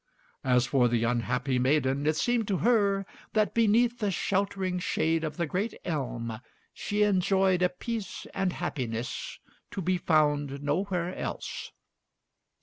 As for the unhappy maiden, it seemed to her that beneath the sheltering shade of the great elm she enjoyed a peace and happiness to be found nowhere else.